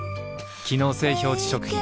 機能性表示食品